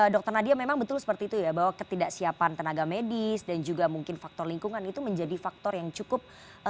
dr nadia memang betul seperti itu ya bahwa ketidaksiapan tenaga medis dan juga mungkin faktor lingkungan itu menjadi faktor yang cukup